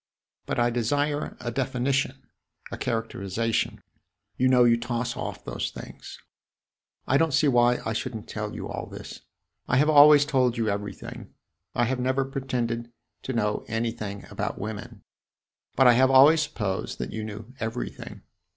But I desire a definition, a characterization; you know you toss off those things. I don't see why I should n't tell you all this I have always told you everything. I have never pretended to know anything about women, but I have always supposed that you knew everything.